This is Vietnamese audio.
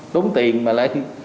tốn tiền mà lại